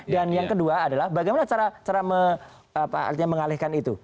dan yang kedua adalah bagaimana cara mengalihkan itu